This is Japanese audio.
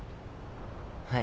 はい。